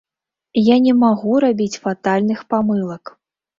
Я не магу рабіць фатальных памылак.